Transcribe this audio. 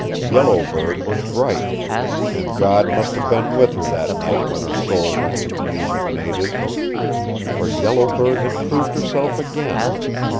Yellow Bird was right, and God must have been with her that night when her soul went to commune with Nada's. For Yellow Bird had proved herself again.